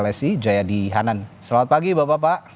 lsi jaya dihanan selamat pagi bapak bapak